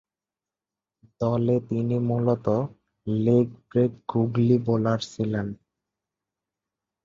দলে তিনি মূলতঃ লেগ ব্রেক গুগলি বোলার ছিলেন।